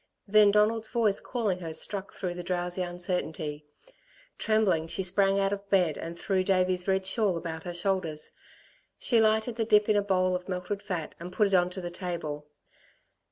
Then Donald's voice calling her struck through the drowsy uncertainty. Trembling, she sprang out of bed and threw Davey's red shawl about her shoulders. She lighted the dip in a bowl of melted fat and put it on to the table.